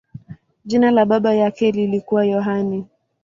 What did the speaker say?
Jina la baba yake lilikuwa Yohane.